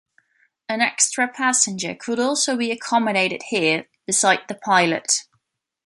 An extra passenger could also be accommodated here, beside the pilot.